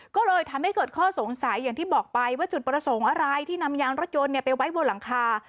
ก็เลยทำให้เกิดข้อสงสัยอย่างที่บอกไปว่าจุดประสงค์อะไรที่นำยางรถยนต์ไปไว้บนหลังคา